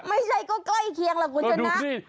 ไม่ใช่ก็ใกล้เคียงหรอกคุณชั้นนะดูนี่